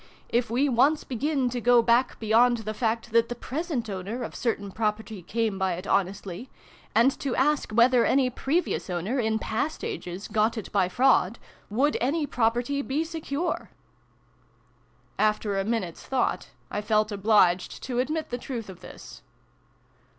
If we once begin to go back beyond the fact that the present owner of certain property came by it honestly, and to ask whether any previous owner, in past ages, got it by fraud, would any property be secure ?" After a minute's thought, I felt obliged to admit the truth of this.